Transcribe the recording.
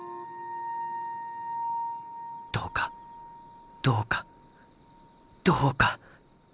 どうかどうかどうか！